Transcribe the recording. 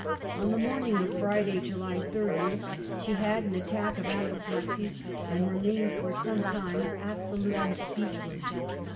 On the morning of Friday, July 30, she had an attack of apoplexy and remained for some time absolutely speechless.